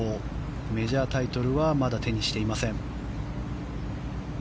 メジャータイトルはまだ手にしていません。